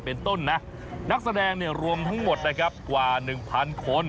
เป็นต้นนะนักแสดงรวมทั้งหมดกว่า๑๐๐๐คน